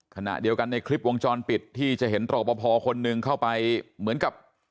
ขณะเดียวกันในคลิปวงจรปิดที่จะเห็นรอปภคนหนึ่งเข้าไปเหมือนกับ